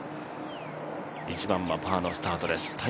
１番はパーのスタートです。